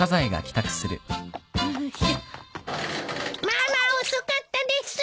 ママ遅かったです！